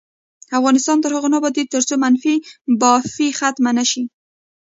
افغانستان تر هغو نه ابادیږي، ترڅو منفي بافي ختمه نشي.